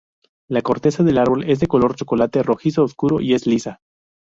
La corteza del árbol es de color chocolate rojizo oscuro y es lisa.